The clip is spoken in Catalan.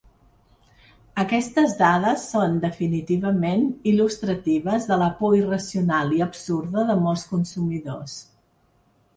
Aquestes dades són definitivament il·lustratives de la por irracional i absurda de molts consumidors.